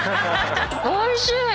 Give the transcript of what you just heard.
おいしい！